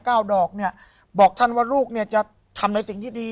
เก้าดอกเนี่ยบอกท่านว่าลูกเนี่ยจะทำในสิ่งที่ดี